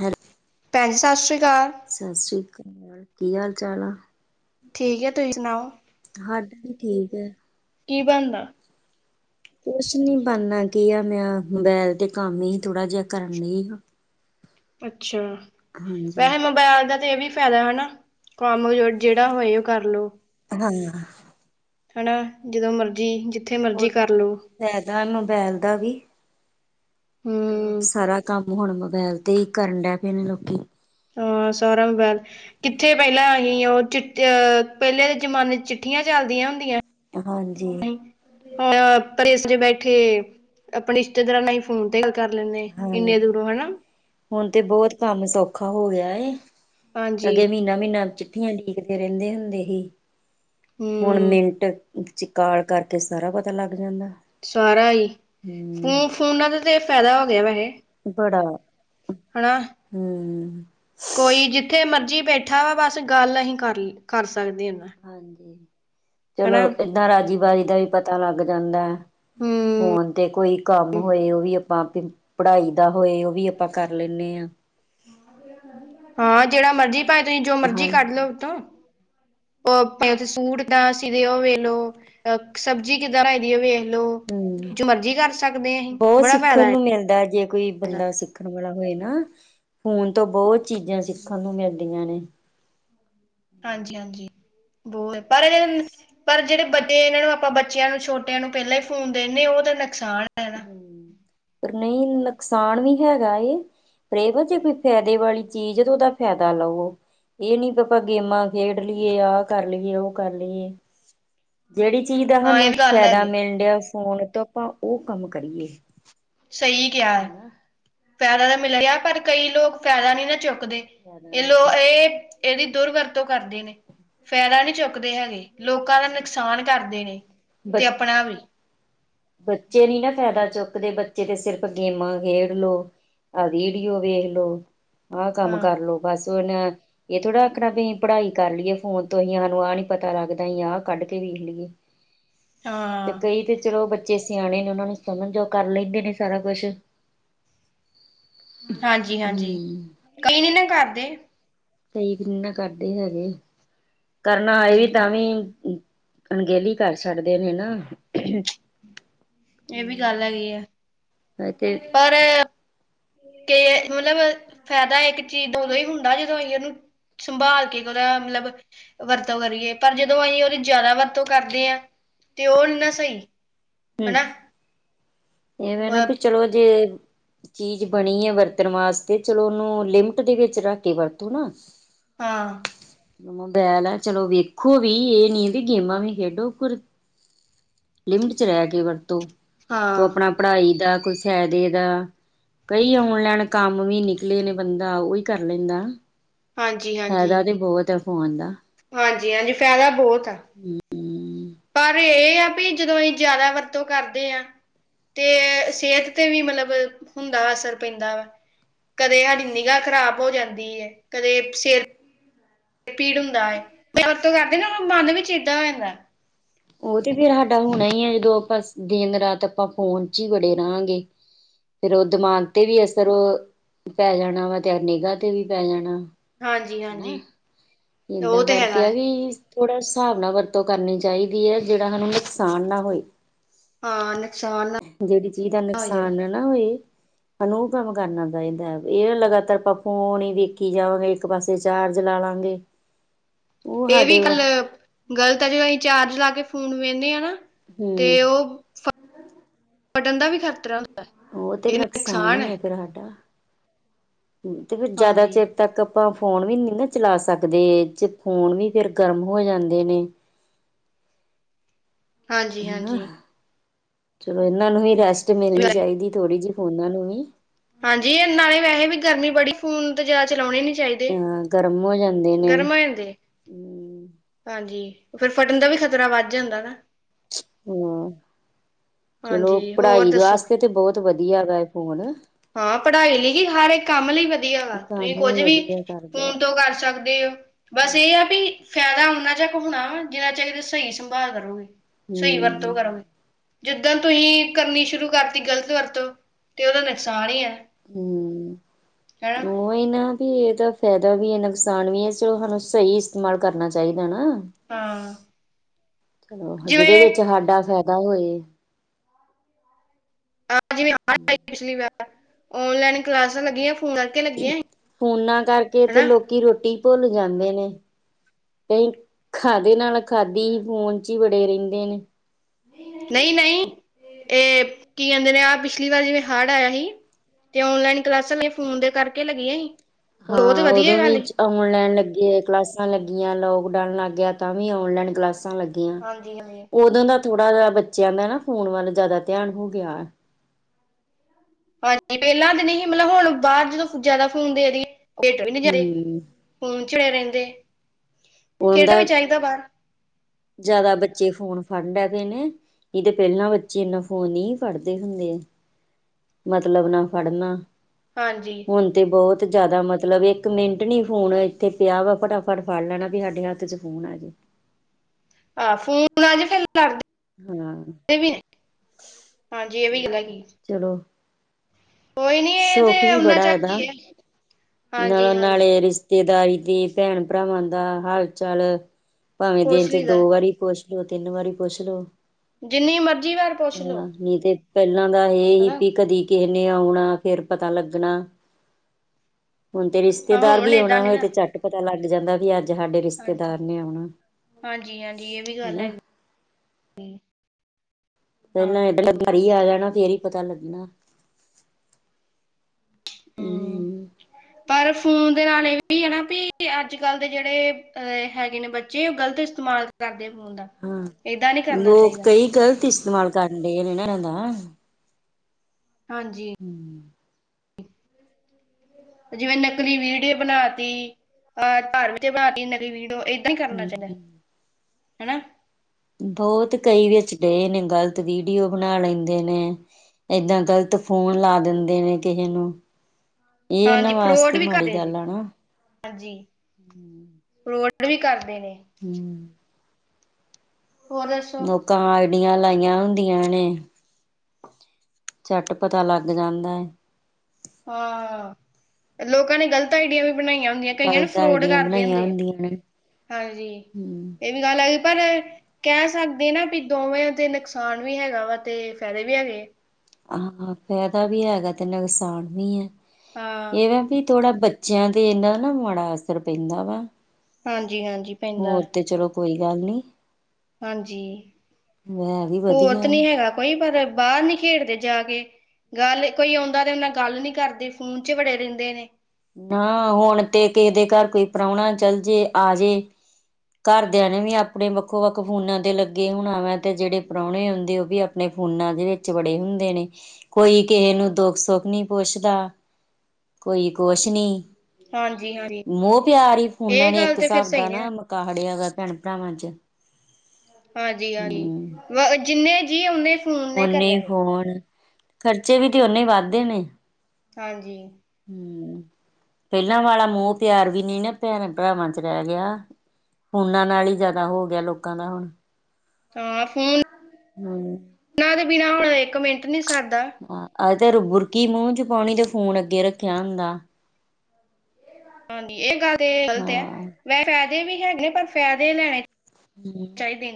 Hello. ਭੈਣ ਜੀ ਸਤਿ ਸ਼੍ਰੀ ਅਕਾਲ। ਸਤਿ ਸ੍ਰੀ ਅਕਾਲ ਕੀ ਹਾਲ ਚਾਲ ਆ। ਠੀਕ ਏ ਤੁਈ ਸੁਨਾਓ। ਹਾਂਜੀ ਠੀਕ ਐ। ਕੀ ਬਣਣਾ। ਕੁਛ ਨੀ ਬਣਦਾ ਕੀ ਆ ਮੈਂ ਮੋਬਾਇਲ ਤੇ ਕੰਮ ਈ ਥੋੜਾ ਜਿਹਾ ਕਰਨੀ ਹਾਂ। ਅੱਛਾ ਹਾਂਜੀ ਵੈਸੇ ਮੋਬੈਲ ਦਾ ਤੇ ਏਹ ਵੀ ਫਾਇਦਾ ਵੇ ਹਨਾ। ਕਮ ਜੇੜਾ ਹੋਏ ਓਹ ਕਰਲੋ। ਹਾਂ ਹਾ ਨਾ ਜਦੋਂ ਮਰਜ਼ੀ ਜਿੱਥੇ ਮਰਜ਼ੀ ਕਰ ਲਓ। ਫੈਦਾ ਏ ਮੋਬੈਲ ਦਾ ਵੀ ਚਲੋ ਹਮ ਸਾਰਾ ਕੰਮ। ਹੁਣ ਮੋਬੈਲ ਤੇ ਹੀ ਕਰਨ ਡਿਆ ਪਏਨ ਲੋਕੀ। ਹਾਂ ਸਾਰਾ ਮੋਬੈਲ ਕਿੱਥੇ ਪੈਲਾਂ ਅਹੀਂ ਓਹ ਚਿੱਟ ਅਹ। ਪਹਿਲੇ ਜਮਾਨੇ ਚ ਚਿੱਠੀਆਂ ਜਾਂਦਿਆ ਹੁੰਦੀਆਂ। ਹਾਂਜੀ। ਸੀ ਹੁਣ ਪਰਦੇਸ ਦੇ ਬੈਠੇ ਆਪਣੇ ਰਿਸ਼ਤੇਦਾਰਾਂ ਨਾਲ। ਫੋਨ ਤੇ ਗੱਲ ਕਰ ਲੈਂਦੇ ਹਾਂ ਇੰਨੇ ਦੂਰੋਂ ਹਨਾ। ਹੁਣ ਤੇ ਬਹੁਤ ਕੰਮ ਸੌਖਾ ਹੋ ਗਿਆ ਏ ਹਾਂਜੀ ਅਗੇ ਮਹੀਨਾ-ਮਹੀਨਾ ਚ। ਚਿਠੀਆਂ ਓਡੀਕਦੇ ਰਹਿੰਦੇ ਹੁੰਦੇ ਸੀ ਹੁਣ ਹਮ ਮਿੰਟ। ਵਿਡਿਓ ਕਾਲ ਕਰਕੇ ਸਾਰਾ ਪਤਾ ਲੱਗ ਜਾਂਦਾ। ਸਾਰਾ ਹੀ ਹਮ ਫੋ ਫੋਨਾਂ ਦਾ ਤੇ ਫਾਇਦਾ ਹੋ ਗਿਆ ਵੈਸੇ। ਬੜਾ। ਹਣਾ। ਹੂੰ। ਕੋਈ ਜਿੱਥੇ ਮਰਜੀ ਬੈਠਾ ਵਾ ਬਸ ਗੱਲ ਅਸੀਂ ਕਰ ਕਰ ਸਕਦੇ ਹਾ। ਹਾਂਜੀ ਚਲੋ ਏਦਾਂ ਰਾਜੀ ਬਾਜ਼ੀ ਦਾ ਵੀ ਪਤਾ ਲੱਗ ਜਾਂਦਾ ਹੈ। ਹੂੰ ਫੋਨ ਤੇ ਕੋਈ ਕੰਮ ਹੋਏ ਓਹ ਵੀ। ਪੜ੍ਹਾਈ ਦਾ ਹੋਏ ਓਹ ਵੀ ਆਪਾਂ ਕਰ ਲੈਂਦੇ ਆ। ਹਾਂ ਜੇੜਾ ਮਰਜ਼ੀ ਭਾਏ ਤੁਸੀਂ ਜੋ ਮਰਜ਼ੀ ਕੱਢ ਹਾਂਜੀ ਲੋ ਉਹ ਤੋਂ। ਸੂਟ ਦਾ ਸੀ ਦੇ ਅੋ ਵੇਖ ਲਓ [unintelligible] ਅ ਸਬਜ਼ੀ ਕਿੱਦਾਂ ਰਹੀਂ ਦੀ ਹੋ, ਵੇਖ ਲਓ ਹੂੰ, ਜੋ ਮਰਜੀ ਕਰ ਸਕਦੇ ਹਾਂ ਅਸੀਂ ਬੌਤ ਬੜਾ ਸਿੱਖਣ ਫਾਇਦਾ ਹੈ ਨੂੰ ਮਿਲਦਾ ਜੇ ਕੋਈ। ਬੰਦਾ ਸਿੱਖਣ ਵਾਲਾ ਹੋਏ ਨਾ ਫੋਨ ਤੋਂ ਬਹੁਤ ਚੀਜ਼ਾਂ ਸਿੱਖਣ ਨੂੰ ਮਿਲਦੀਆਂ ਨੇ। ਹਾਂਜੀ-ਹਾਂਜੀ ਬਹੁਤ ਪਰ। ਪਰ ਜਿਹੜੇ ਵੱਡੇ ਇਹਨਾਂ ਨੂੰ ਆਪਾਂ ਬੱਚਿਆਂ ਨੂੰ ਛੋਟਿਆਂ ਨੂੰ ਪਹਿਲਾਂ ਈ ਫੋਨ ਦੇਂਦੇ ਓਹ ਤਾਂ ਨੁਕਸਾਨ। ਹੈ ਨਾ ਹੂੰ, ਪਰ ਨਹੀਂ ਨੁਕਸਾਨ ਵੀ ਹੈਗਾ ਏ। ਜੇ ਕੋਈ ਫਾਇਦੇ ਵਾਲੀ ਚੀਜ਼ ਤੇ ਉਹਦਾ ਫ਼ਾਇਦਾ ਲਵੋ ਇਹ ਨੀ ਆਪਾਂ ਗੇਮਾਂ। ਖੇਡ ਲਈਏ ਆਹ ਕਰ ਲਈਏ ਉਹ ਕਰ ਲਈਏ। ਜਿਹੜੀ ਚੀਜ਼ ਦਾ ਹਾਂ ਇਹ ਸਾਨੂੰ ਵੀ ਗੱਲ ਫਾਇਦਾ ਹੈਗੀ ਮਿਲਣ ਡਿਆ ਫੋਨ ਤੋਂ ਆਪਾਂ ਉਹ ਕੰਮ ਕਰੀਏ। ਸਹੀ ਕਿਐ ਹਨਾ, ਫੈਦਾ ਤਾਂ ਮਿਲ ਰਿਐ ਪਰ ਕਈ ਲੋਕ ਫੈਦਾ ਨੀ ਨਾ ਚੁੱਕਦੇ। ਫਾਇਦਾ ਨੀ ਚੁੱਕ ਏਹਦੀ ਦੁਰਵਰਤੋਂ ਕਰਦੇ ਨੇ। ਫਾਇਦਾ ਨਈ ਚੁੱਕਦੇ ਹੈਗੇ ਲੋਕਾਂ ਦਾ ਨੁਕਸਾਨ ਕਰਦੇ ਨੇ ਤੇ ਬ ਆਪਣਾ ਵੀ। ਬੱਚੇ ਨੀ ਨਾ ਫਾਇਦਾ ਚੁੱਕਦੇ ਬੱਚੇ ਤੇ ਸਿਰਫ ਗੇਮਾਂ ਖੇਡਲੋ। ਆ ਵਡੀਓ ਵੇਖ ਲੋ ਆਹ ਕੰਮ ਹਾਂ ਕਰਲੋ ਬਸ ਉਨ। ਏਹ ਥੋੜ੍ਹਾ ਆਖਣਾ ਬਈ ਪੜ੍ਹਾਈ ਕਰ ਲੀਏ ਫੋਨ ਤੋਂ ਅਸੀ, ਸਾਨੂੰ ਆਹ ਆ ਨੀ ਪਤਾ ਲੱਗਦਾ, ਅਹੀ ਆਹ ਕੱਢ ਕੇ ਵੇਖ ਲਈਏ। ਤੇ ਹਾਂ ਕਈ ਤੇ ਚਲੋ ਬ ਬੱਚੇ ਸਿਆਣੇ ਨੇ, ਉਹਨਾਂ ਨੂੰ ਸਮਝ ਉਹ ਕਰ ਲੈਂਦੇ ਨੇ, ਸਾਰਾ ਕੁਛ। ਹਾਂਜੀ -ਹਾਂਜੀ, ਕਈ ਨੀ ਨਾ ਕਰਦੇ। ਸਹੀ ਵੀ ਨਾ ਕਰਦੇ ਹੈਗੇ, ਕਰਨਾ ਆਏ ਵੀ ਹਾਂਜੀ ਤਾਂ ਵੀ ਅਣਗੇਲੀ ਕਰ ਛੱਡਦੇ ਨੇ ਨਾ। ਏ ਵੀ ਗੱਲ ਹੈਗੀ ਐਂ, ਤੇ ਪਰ ਕੇ ਮਤਲਬ, ਫਾਇਦਾ ਇੱਕ ਚੀਜ਼ ਓਦੋਂ ਹੀ ਹੁੰਦਾ ਜਦੋ ਇਹਨੂੰ ਸੰਭਾਲ ਕੇ ਉਦਾ ਮਤਲਬ ਵਰਤੋਂ ਕਰੀਏ, ਪਰ ਜਦੋਂ ਅਹੀਂ ਓਹਦੀ ਜੈਦਾ ਵਰਤੋਂ ਕਰਦੇ ਆਂ ਹੂੰ, ਹਨਾ ਏ ਵੇਂ ਨਾ ਬਈ ਚਲੋ ਜੇ ਚੀਜ਼ ਬਣੀ ਐ ਵਰਤਣ ਵਾਸਤੇ ਚਲੋ ਉਨੂੰ ਲਿਮਟ ਦੇ ਵਿੱਚ ਰੱਖ ਕੇ ਵਰਤੋ ਨਾ। ਹਾਂ। ਮੋਬੈਲ ਐ ਚਲੋ ਵੇਖੋ ਵੀ ਏ ਨੀ ਬੀ ਗੇਮਾਂ ਵੀ ਖੇਡੋ ਪਰ ਲਿਮਿਟ ਚ ਰੈ ਕੇ ਵਰਤੋ ਕੋਈ ਹਾਂ, ਅਪਣਾ-ਅਪਣਾ ਪੜ੍ਹਾਈ ਦਾ ਕੋਈ ਫੈਦੇ ਦਾ। ਕਈ ਔਣ ਲੈਣ ਕੰਮ ਵੀ ਨਿਕਲੇ ਨੇ ਬੰਦਾ ਓਈ ਕਰ ਲੈਂਦਾ। ਹਾਂਜੀ-ਹਾਂਜੀ। ਫੈਦਾ ਤੇ ਬੋਤ ਐ ਫੋਨ ਦਾ। ਹਾਂਜੀ-ਹਾਂਜੀ, ਫੈਦਾ ਬੌਤ ਐ। ਹੂੰ-ਹੂੰ। ਪਰ ਏ ਆ ਪੀ ਜਦੋਂ ਏ ਜੈਦਾ ਵਰਤੋਂ ਕਰਦੇ ਆਂ। ਤੇ ਸੇਤ ਤੇ ਵੀ ਮਤਲਬ ਹੁੰਦਾ ਅਸਰ ਪੈਂਦਾ ਵਾ। ਕਦੇ ਸਾਡੀ ਨਿਗਾਹ ਖ਼ਰਾਬ ਹੋ ਜਾਂਦੀ ਏ, ਕਦੇ ਸਿਰ ਪੀੜ ਹੁੰਦਾ ਏ, ਜੋ ਵਰਤੋਂ ਕਰਦੇ ਨਾ ਓਨਾ ਮਨ ਵਿੱਚ ਏਦਾਂ ਰੈੰਦੈ। ਓਹ ਤੇ ਫੇਰ ਸਾਡਾ ਹੋਣਾ ਹੀ ਐ ਜਦੋਂ ਅਪਾਂ ਸ ਦਿਨ-ਰਾਤ ਅਪਾਂ ਫੋਨ ਚੀ ਵੜੇ ਰਾਂਗੇ। ਫਿਰ ਓਹ ਦਿਮਾਗ ਤੇ ਵੀ ਅਸਰ ਅ ਪੈ ਜਾਣਾ ਵਾ ਤੇ ਆ ਨਿਗਾ ਤੇ ਵੀ ਪੈ ਜਾਣਾ। ਹੈਨਾ, ਹਾਂਜੀ-ਹਾਂਜੀ, ਉਹ ਏਦਾਂ ਤੇ ਕਰਕੇ ਹੈਗਾ ਆ ਹੈ। ਵੀ ਥੋੜ੍ਹਾ ਹਿਸਾਬ ਨਾਲ ਵਰਤੋਂ ਕਰਨੀ ਚਾਈਦੀ ਏ ਜੇੜਾ ਸਾਨੂੰ ਨੁਕਸਾਨ ਨਾ ਹੋਏ। ਹਾਂ, ਨੁਕਸਾਨ ਨਾ ਜੇੜੀ ਚੀਜ਼ ਦਾ ਹੋਏ ਜਿਹੜਾ। ਨੁਕਸਾਨ ਨ ਨਾ ਹੋਏ। ਸੈਨੂੰ ਓਹ ਕੰਮ ਕਰਨਾ ਚਾਈਦੈ ਏ ਲਗਾਤਾਰ ਆਪਾਂ ਫੋਨ ਹੀ ਵੇਖੀ ਜਾਵਾਂਗੇ। ਇੱਕ ਪਾਸੇ ਚਾਰਜ ਲਾ ਲਾਂਗੇ। ਉਹ ਏਵੀ ਸਾਡੇ ਗਲ ਗ਼ਲਤ ਐ ਜੇ ਅਹੀਂ ਚਾਰਜ ਲਾ ਕੇ ਫੋਨ ਵੇਹਨੇ ਆ ਨਾ। ਤੇ ਹਮ ਓ ਫ ਫਟਣ ਦਾ ਵੀ ਖਤਰਾ ੳ ਤੇ ਨੁਕਸਾਨ ਈ ਐ ਫੇਰ ਸਾਡਾ, ਤੇ ਫਿਰ ਜੈਦਾ ਚਿਰ ਹਾਂਜੀ। ਤੱਕ ਆਪਾਂ ਫੋਨ ਵੀ ਨੀ ਨਾ ਚਲਾ ਸਕਦੇ, ਜੇ ਫੋਨ ਵੀ ਫਿਰ ਗਰਮ ਹੋ ਜਾਂਦੇ ਨੇ। ਇਨਾਂ, ਹਾਂਜੀ-ਹਾਂਜੀ, ਚਲੋ ਇਨਾਂ ਨੂੰ ਵੀ ਰੈਸਟ ਮਿਲ ਈ ਹਾਂਜੀ ਜਾਏਗੀ ਥੋੜ੍ਹੀ ਜੀ ਉਨਾ ਨੂੰ ਵੀ। ਹਾਂਜੀ, ਏ ਨਵੇ ਵਿਆਏ ਹੇ ਵੀ ਗਰਮੀ ਬੜੀ ਫੋਨ ਤੇ ਜੈਦਾ ਚਲੋਣੇ ਨੀ ਚਾਈਦੇ। ਅਹ ਗਰਮ ਹੋ ਜਾਂ ਗਰਮ ਹੋ ਜਾਂਦੇ ਏ ਹਾਂਜੀ, ਓ ਫੇਰ ਫਟਣ ਦਾ ਵੀ ਖ਼ਤਰਾ ਵੱਧ ਜਾਂਦਾ ਨਾ। ਹੂੰ, ਚਲੋ ਹਾਂਜੀ, ਹੋਰ ਪੜ੍ਹਾਈ ਦੇ ਦੱਸੋ? ਆਸਤੇ ਤੇ ਬੌਤ ਵਧੀਆ ਹੈਗਾ ਏ ਫੋਨ। ਹਾਂ, ਪੜ੍ਹਾਈ ਲੀ ਹੀ, ਹਰ ਇੱਕ ਕੰਮ ਲਈ ਵਧੀਆ ਵਾ, ਕੰਮ ਤੁਸੀਂ ਕੋਝ ਵੀ ਵਧੀਆ ਕਰਦਾ ਫੋਨ ਤੋਂ ਕਰ ਸਕਦੇ ਔ ਬਸ ਏਹ ਆ ਪੀ ਫੈਦਾ ਉਨਾਂ ਜਾ ਖ ਹੋਣਾ ਜਿਨਾਂ ਚਿਰ ਸਹੀ ਸੰਭਾਲ ਕਰੋਗੇ, ਸਹੀ ਹਮ ਵਰਤੋਂ ਕਰੋਗੇ। ਜਿੱਦਾਂ ਤੁਹੀਂ ਕਰਨੀ ਸ਼ੁਰੂ ਕਰਤੀ ਗ਼ਲਤ ਵਰਤੋਂ ਤੇ ਓਦਾ ਨੁਕਸਾਨ ਹੀ ਐ। ਹੂੰ, ਓਹੀ ਨਾ। ਈ ਇਦਾ ਫੈਦਾ ਵੀ ਐ ਨੁਕਸਾਨ ਵੀ ਐ ਚਲੋ ਹਾਨੂੰ ਸਈ ਇਸਤੇਮਾਲ ਕਰਨਾ ਚਾਈਦਾ ਨਾ। ਹਾਂ ਜਿਦੇ ਵਿੱਚ ਜਿਵੇਂ ਹਾਡਾ ਫੈਦਾ ਹੋਏ। ਆ ਜਿਵੇਂ [unintelligible] ਆਈ ਪਿਛਲੀ ਵਾਰ ਔਨਲਾਈਨ ਕਲਾਸਾਂ ਲੱਗੀਆਂ ਫੋਨਾਂ ਫੋਨਾਂ ਕਰਕੇ ਤੇ ਲੋਕੀ ਰੋਟੀ ਭੁੱਲ ਜਾਂਦੇ ਨੇ ਕਈ ਖਾ ਦੇ ਨਾਲ ਖਾਧੀ ਫੋਨ 'ਚ ਈ ਵੜੇ ਰੈਂਦੇ ਨੇ। ਨਈ-ਨਈ ਏ ਕੀ ਕੈੰਦੇ ਨੇ ਆ ਪਿਛਲੀ ਵਾਰ ਜਿਵੇਂ ਹੜ੍ਹ ਆਇਆ ਹੀ। ਤੇ ਔਨਲਾਈਨ ਕਲਾਸਾਂ ਲਈ ਫੋਨ ਦੇ ਕਰਕੇ ਲੱਗੀਆਂ ਹੀ। ਹਾਂ ਓਦੋਂ ਵੀ 'ਚ ਆ। ਔਨਲਾਈਨ ਲੱਗੇ ਕਲਾਸਾਂ ਲੱਗੀਆਂ ਲੋਕਡਾਊਨ ਲੱਗ ਗਿਆ ਤਾਂ ਵੀ ਔਨਲਾਈਨ ਕਲਾਸਾਂ ਲੱਗ ਗੀਆਂ ਹਾਂਜੀ ਹਾਂਜੀ ਓਦਾਂ ਦਾ ਥੋੜਾ ਜਾ ਬੱਚਿਆਂ ਦਾ ਨਾ ਫੋਨ ਵੱਲ ਜੈਦਾ ਧਿਆਨ ਹੋ ਗਿਆ ਆ। ਹਾਂਜੀ ਪੈਲਾਂ ਤਾਂ ਨੀ ਈ ਮਤਲਬ ਹੁਣ ਬਾਰ ਜਦੋਂ ਜੈਦਾ ਫੋਨ ਦੇ ਦੀਏ ਹੇਟਾ ਵੀ ਨੀ ਜਾਂਦੇ। ਹਮ ਫੋਨ ਚ' ਰੈੰਦੇ ਖੇਡਾਂ ਵੀ ਚਾਈਦੈ ਬਾਰ ਜੈਦਾ ਬੱਚੇ ਫੋਨ ਫੜ ਡੈ ਪਏ ਨੇ। ਨਈ ਤਾਂ ਪੈਲਾਂ ਬੱਚੇ ਇਨਾ ਫੋਨ ਨਈ ਫੜਦੇ ਹੁੰਦੇ। ਮਤਲਬ ਨਾਲ ਫੜਨਾ ਹਾਂਜੀ ਹੁਣ ਤਾਂ ਬੋਤ ਜਾਦਾ ਮਤਲਬ ਇੱਕ ਮਿੰਟ ਨਈ ਫੋਨ ਇੱਥੇ ਪਿਆ ਵਾ ਫਟਾਫਟ ਫੜ ਲੈਣਾ ਵੀ ਸਾਡੇ ਹੱਥ 'ਚ ਫੋਨ ਆ ਜੇ। ਆ ਫੋਨ ਆ ਜੇ ਫਿਰ ਲੜਦੇ ਹੂੰ ਏ ਵੀ ਹਾਂਜੀ ਏ ਵੀ ਤੇ ਗੱਲ ਚਲੋ ਕੋਈ ਨੀ ਇਹ ਤੇ ਸੁਖ ਵੀ ਉਹਨਾਂ ਬੜਾ ਚੱਕ ਇਦਾ ਹੀ ਹੈ ਹਾਂਜੀ ਨਾਲੋਂ ਹਾਂਜੀ ਨਾਲੇ ਰਿਸ਼ ਰਿਸ਼ਤੇਦਾਰੀ ਤੇ ਭੈਣ ਭਰਾਵਾਂ ਦਾ ਹਾਲ ਚਾਲ ਭਾਵੇਂ ਦਿਨ ਪੁੱਛ 'ਚ ਲਈਦਾ ਦੋ ਵਾਰੀ ਪੁੱਛ ਦੋ ਤਿੰਨ ਵਾਰੀ ਪੁੱਛ ਲੋ। ਜਿੰਨੀ ਮਰਜ਼ੀ ਵਾਰ ਪੁੱਛ ਲੋ। ਨਈ ਤੇ ਪੈਲਾਂ ਦਾ ਏ ਸੀ ਹਨਾ ਵੀ ਕਦੀ ਕਿਹੇ ਨੇ ਆਉਣਾ। ਫਿਰ ਪਤਾ ਲੱਗਣਾ ਹੁਣ ਤੇ ਹਾਂ ਰਿਸ਼ਤੇਦਾਰ ਹੁਣ ਵੀ ਏਦਾਂ ਆਉਣਾ ਨੀ ਹੋਏ ਨਾ ਤੇ ਝੱਟ ਪਤਾ ਲੱਗ ਜਾਂਦਾ ਵੀ ਅੱਜ ਸਾਡੇ ਹਾਂਜੀ ਰਿਸ਼ਤੇਦਾਰ ਨੇ ਆਉਣਾ ਹਾਂਜੀ ਹਾਂਜੀ ਇਹ ਵੀ ਗੱਲ ਹਨਾ। ਹੈਗੀ ਹਾਂ ਪੈਲਾਂ ਏਦਾਂ ਘਰ ਈ ਆ ਜਾਣਾ ਫਿਰ ਈ ਪਤਾ ਲੱਗਣਾ। ਹੂੰ ਹਮ ਪਰ ਫੋਨ ਦੇ ਨਾਲ ਏ ਵੀ ਹਨਾ ਵੀ ਅੱਜ ਕੱਲ ਦੇ ਜੇੜੇ ਅ ਹੈਗੇ ਨੇ ਬ ਜੇ ਓ ਗਲਤ ਇਸਤੇਮਾਲ ਕਰਦੇ। ਫੋਨ ਦਾ ਹਾਂ ਏਦਾਂ ਨਹੀਂ ਕਰਨਾ ਲੋਕ ਚਾਹੀਦਾ ਕਈ ਗ਼ਲਤ ਇਸਤੇਮਾਲ ਕਰਨ ਦਏ ਆ ਇਦਾ ਹਾਂਜੀ ਹੂੰ ਜਿਵੇਂ ਨਕਲੀ ਵੀਡੀਓ ਬਣਾਤੀ ਅ ਘਰ ਵਿੱਚ ਬਣਾਤੀ ਨਕਲੀ ਵੀਡੀਓ ਇ ਨਈ ਕਰਨਾ ਚਾਈਦਾ ਹਮ ਹਨਾ। ਬੋਤ ਕਈ ਵਿੱਚ ਦਏ ਨੇ ਗਲਤ ਵੀਡੀਓ ਬਣਾ ਲੈਂਦੇ ਨੇ ਏਦਾਂ ਗਲਤ ਫੋਨ ਲਾ ਦਿੰਦੇ ਨੇ ਕਿਹੇ ਨੂੰ ਏ ਉਨਾਂ ਹਾਂਜੀ ਫਰੋਡ ਵਾਸਤੇ ਵੀ ਮਾੜੀ ਕਰਦੇ ਜੀ ਗੱਲ ਆ ਨਾ। ਹਾਂਜੀ ਰੋਟ ਵੀ ਕਰਦੇ ਨੇ। ਹੂੰ ਹੋਰ ਦੱਸੋ। ਕਾ ਆਈਡੀਆਂ ਲਾਈਆਂ ਹੁੰਦੀਆਂ ਨੇ। ਝੱਟ ਪਤਾ ਲੱਗ ਜਾਂਦੈ। ਆ, ਲੋਕਾਂ ਨੇ ਗਲਤ ਆਈਡੀਆਂ ਵੀ ਬਨਾਈਆਂ ਹੁੰਦੀਆਂ ਕਈਆਂ ਨੂੰ ਗਲਤ ਫਰੋਡ ਆਈਡੀਆਂ ਕਰਦੇ ਬਣਾਈਆਂ ਹੁੰਦੇ, ਹੁੰਦੀਆਂ ਨੇ ਆਂਜੀ। ਹੂੰ। ਗੱਲ ਆਈ ਪਰ ਕੈ ਸਕਦੇ ਨਾ ਬੀ ਦੋਵੇਂ ਦੇ ਨੁਕਸਾਨ ਵੀ ਹੈਗਾ ਵਾ ਤੇ ਫ਼ੈਦੇ ਵੀ ਹੈਗੇ। ਹਾਂ, ਫੈਦਾ ਵੀ ਹੈਗਾ ਤੇ ਨੁਕਸਾਨ ਨੀ ਐ ਹਾਂ ਏ ਐ ਵੀ ਥੋੜਾ ਬੱਚਿਆਂ ਤੇ ਇਨਾਂ ਨਾ ਮਾੜਾ ਅਸਰ ਪੈਂਦਾ ਵਾ ਹਾਂਜੀ ਹਾਂਜੀ ਪੈਂਦਾ ਹੋਰ ਤੇ ਚਲੋ ਕੋਈ ਗੱਲ ਨੀ। ਹਾਂਜੀ, ਹੈ ਵੀ ਹੋਰ ਵਧੀਆ ਤੇ ਨੀ ਹੈ। ਹੇਗਾ ਕੋਈ ਪਰ ਬਾਰ ਨੀ ਖੇਡਦੇ ਜਾ ਕੇ ਗੱਲ ਕੋਈ ਔਂਦਾ ਰੈਨਾ ਗੱਲ ਨੀ ਕਰਦੇ ਫੋਨ ਚ ਬੜੇ ਰੈਂਦੇ ਨੇ। ਨਾ ਹੁਣ ਤੇ ਕਿਹੇ ਦੇ ਘਰ ਕੋਈ ਪ੍ਰੋਣਾ ਚੱਲ ਜੇ ਆਜੇ। ਘਰਦੇਆਂ ਨੇ ਵੀ ਆਪਣੇ ਵੱਖੋ ਵੱਖ ਫੋਨਾਂ ਤੇ ਲੱਗੇ ਹੋਣਾ ਵਾ ਤੇ ਜੇੜੇ ਪ੍ਰੋਣੇ ਆਂਦੇ ਓ ਵੀ ਆਪਣੇ ਫੋਨਾਂ ਦੇ ਵਿੱਚ ਵੜੇ ਹੁੰਦੇ ਨੇ‌। ਕੋਈ ਕਿਹੇ ਨੂੰ ਦੁੱਖ ਸੁੱਖ ਨੀ ਪੁੱਛਦਾ ਕੋਈ ਕੁਛ ਨੀ। ਹਾਂਜੀ ਹਾਂਜੀ ਮੋਹ, ਪਿਆਰ ਈ ਫੋਨਾ ਇਹ ਨੇ ਗੱਲ ਇੱਕ ਤੇ ਫਿਰ ਸਾਬ ਸਹੀ ਦਾ ਨੀ ਨਾ ਮਕਾ ਲਿਆ ਵ ਭੈਣ ਭਰਾਵਾਂ ਚ। ਆਜੀ ਹਾਜੀ ਹਮ ਵ ਜਿੰਨੇ ਜੀ ੳਨੇ ਓਨੇ ਫੋਣ, ਖਰਚੇ ਵੀ ਤੇ ਓਨੇ ਵੱਧਦੇ ਨੇ। ਹਾਂਜੀ। ਹੁੰ ਪੈਲਾਂ ਵਾਲਾ ਮੋਅ ਪਿਆਰ ਵੀ ਨੀ ਨਾ ਭੈਣਾਂ ਭਰਾਵਾਂ ਚ ਰੈ ਗਿਆ ਫੋਨਾਂ ਨਾਲ ਈ ਜਿਆਦਾ ਹੋ ਗਿਆ ਲੋਕਾਂ ਦਾ ਹੁਣ। ਤਾਂ ਫੋਨ ਹਮ [inaudible] ਨਾ ਦੇ ਬਿਨਾਂ ਹੁਣ ਇੱਕ ਮਿੰਟ ਨੀ ਸਰਦਾ। ਆ ਅਗਰ ਬੁਰਕੀ ਮੂੰਹ ਚ ਪਾਣੀ ਤੇ ਫੋਨ ਅੱਗੇ ਰੱਖਿਆ ਹੁੰਦਾ। ਕਾਂਗੀ ਏ ਗੱਲ ਤੇ ਗਲਤ ਐ ਹਾਂ ਵੈ ਫੈਦੇ ਵੀ ਹੈਗੇ ਪਰ ਫੈਦੇ ਲੈਣੇ ਹੁੰ, ਚਾਹੀਦੇ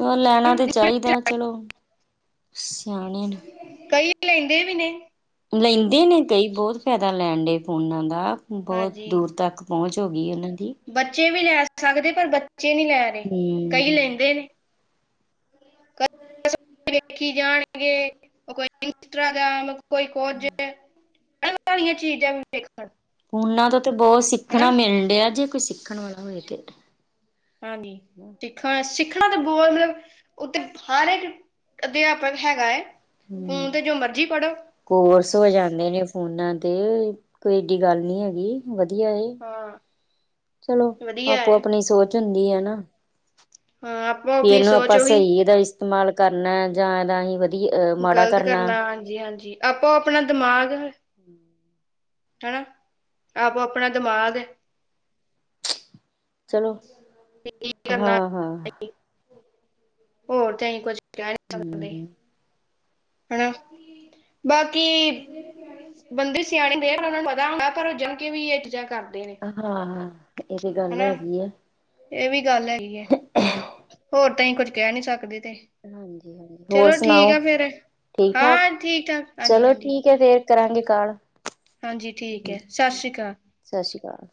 ਓ ਲੈਣਾ ਤੇ ਨੇ ਚਾਈਦਾ ਚਲੋ। ਸਿਆਣੇ ਨ ਕਈ ਲੇੰਦੇ ਵੀ ਨੇ। ਲੈਂਦੇ ਨੇ ਕਈ ਬੌਤ ਫੈਦਾ ਲੈਣ ਡਏ ਫੋਨਾਂ ਦਾ ਬੌਤ ਹਾਂਜੀ ਦੂਰ ਤੱਕ ਪੌਂਚ ਹੋ ਗੀ ਉਨਾਂ ਦੀ। ਬੱਚੇ ਵੀ ਲੈ ਸਕਦੇ ਪਰ ਬੱਚੇ ਨੀ ਲੈ ਰੇ ਕਈ ਹੂੰ ਲੇੰਦੇ ਨੇ। ਵੇਖੀ ਜਾਣਗੇ ਓ ਕੋਈ ਇੰਸਟਰਾਗ੍ਰਾਮ, ਕੋਈ ਕੋਝ। ਕੰਮ ਵਾਲੀਆਂ ਚੀਜਾਂ ਵੀ ਵੇਖਣ। ਫੋਨਾਂ ਤੋ ਤਾ ਬੌਤ ਸਿੱਖਣਾ ਹਨਾ ਮਿਲ ਡਿਆ ਜੇ ਕੋਈ ਸਿੱਖਣ ਵਾਲਾ ਹੋਏ ਤੇ। ਹਾਂਗੀ ਸਿੱਖਾ ਸਿੱਖਣਾ ਤਾ ਬੋਲਦੇ ਓਤੇ ਹਲ ਏਕ ਅਧਿਆਪਕ ਹੈਗਾ ਏ ਫ਼ੋਨ ਹੂੰ ਤੇ ਜੋ ਮਰਜੀ ਪੜ੍ਹੋ। ਕੋਰਸ ਹੋ ਜਾਂਦੇ ਨੇ ਫੋਨਾਂ ਦੇ ਕੋਈ ਏਡੀ ਗੱਲ ਨੀ ਹੇਗੀ। ਵਧੀਆ ਏ, ਹਾਂ ਚਲੋ ਵਧੀਆ ਆਪੋ ਹੈ ਆਪਨੀ ਸੋਚ ਹੁੰਦੀ ਐ ਨਾ। ਹਾਂ, ਅਪ ਵੀ ਏਨੂੰ ਆਪਾਂ ਸਈ ਦਾ ਇਸਤੇਮਾਲ ਕਰਨੈ ਜਾਂ ਏਦਾ ਅਹੀ ਵਧੀ ਮਾੜਾ ਕਰਨਾ। ਜੀ, ਹਾਂਜੀ ਆਪੋ ਆਪਣਾ ਦਿਮਾਗ [inaudible] ਹਨਾ, ਆਪੋ ਆਪਨਾ ਦਿਮਾਗ ਐ। ਚਲੋ। ਕੀ ਕਰਨਾ ਹਾਂ ਹਾਂ [unintelligible] ਹੋਰ ਤੇ ਅਹੀਂ ਕੁੱਸ਼ ਕੈ ਨੀ ਸਕਦੇ। ਹੂੰ ਹਨਾ, ਬਾਕੀ ਬੰਦੇ ਸਿਆਣੇ ਦੇ ਉਹਨਾਂ ਨੂੰ ਪਤਾ ਹੁੰਦਾ ਘਰੋਂ ਜਾਣ ਕੇ ਵੀ ਇਹ ਚੀਜਾਂ ਕਰਦੇ ਨੇ ਹਾਂ, ਇਹ ਤੇ ਗੱਲ ਹਨਾ ਹੈਗੀ ਏ ਇਹ ਵੀ ਗੱਲ ਹੈਗੀ ਏ, ਹੋਰ ਤਾਂ ਹੀ ਕੁੱਝ ਕਹਿ ਨੀ ਸਕਦੇ ਤੇ ਹਾਂਜੀ -ਹਾਂਜੀ, ਹੋਰ ਚਲੋ ਠੀਕ ਸੁਣਾਓ, ਆ ਫੇਰ ਠੀਕ ਠਾਕ, ਹਾਂ ਠੀਕ ਠਾਕ ਹਾਂਜੀ ਚਲੋ ਹਾਂਜੀ ਠੀਕ ਹੈ ਫਿਰ ਕਰਾਂਗੇ ਕਾਲ ਹਾਂਜੀ ਠੀਕ ਹੈ ਸਤਿ ਸ਼੍ਰੀ ਅਕਾਲ ਸਤਿ ਸ਼੍ਰੀ ਅਕਾਲ